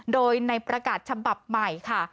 โดยในประกาศฉบับใหม่ค่ะ